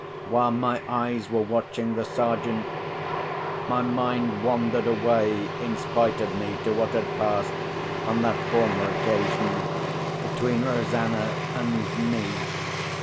While my eyes were watching the Sergeant, my mind wandered away in spite of me to what had passed, on that former occasion, between Rosanna and me.